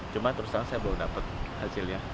cuma terusan saya belum dapet hasilnya